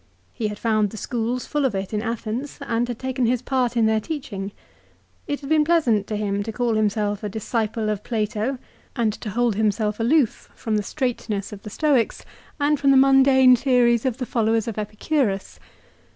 He had found the schools full of it at Athens, and had taken his part in their teaching. It had been pleasant to him to call himself a disciple of Plato, arid to hold himself aloof from the straitness of the z 2 340 LIFE OF CICERO. Stoics and from the mundane theories of the followers of Epicurus.